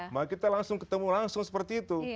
maka kita langsung ketemu langsung seperti itu